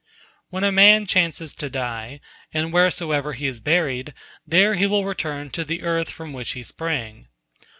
Wherever a man chances to die, and wheresoever he is buried, there will he return to the earth from which he sprang.